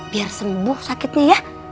biar sembuh sakitnya ya